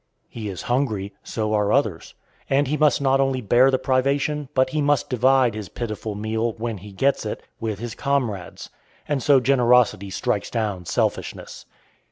He is hungry, so are others; and he must not only bear the privation, but he must divide his pitiful meal, when he gets it, with his comrades; and so generosity strikes down selfishness.